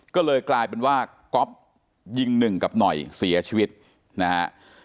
ก็เลยกลายเป็นว่าก๊อฟยิงหนึ่งกับหน่อยเสียชีวิตนะฮะ